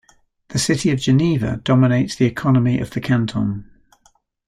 The city of Geneva dominates the economy of the canton.